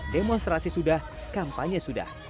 demonstrasi sudah kampanye sudah